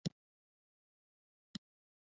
ټپي ته باید شفا وغواړو.